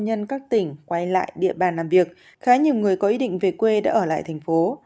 nhân các tỉnh quay lại địa bàn làm việc khá nhiều người có ý định về quê đã ở lại thành phố